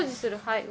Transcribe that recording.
はい。